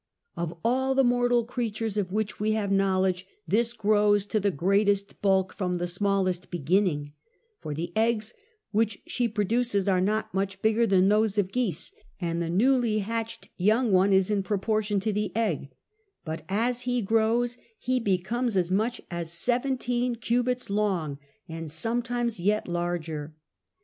Of all the mortal creatures of which we have knowledge this grows to the greatest bulk from the smallest beginning; for the eggs which she produces are not much larger than those of geese and the newly hatched young one is in proportion to the egg, but as he grows he becomes as much as seventeen cubits long and sometimes yet larger.